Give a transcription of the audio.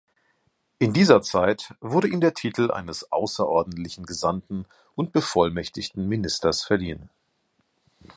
In dieser Zeit wurde ihm der Titel eines außerordentlichen Gesandten und bevollmächtigten Ministers verliehen.